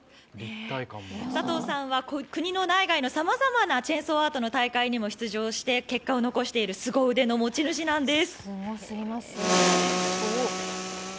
佐藤さんは国の内外のさまざまなチェンソーアートの大会にも出場して結果を残しているすご腕の持ち主なんです。